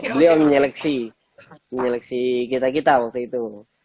beliau menyeleksi kita kita waktu itu